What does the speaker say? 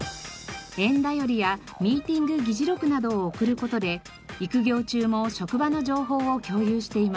園便りやミーティング議事録などを送る事で育業中も職場の情報を共有しています。